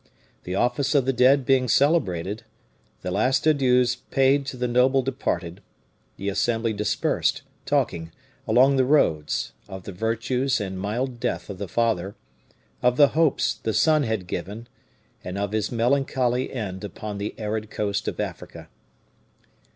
The office of the dead being celebrated, the last adieux paid to the noble departed, the assembly dispersed, talking, along the roads, of the virtues and mild death of the father, of the hopes the son had given, and of his melancholy end upon the arid coast of Africa.